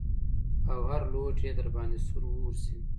او هر لوټ يې د درباندې سور اور شي.